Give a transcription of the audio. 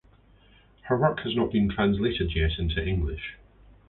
Her work has not been translated yet into English.